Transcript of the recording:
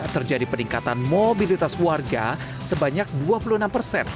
terjadi peningkatan mobilitas warga sebanyak dua puluh enam persen